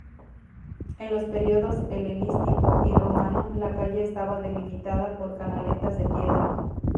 En los periodos helenístico y romano, la calle estaba delimitada por canaletas de piedra.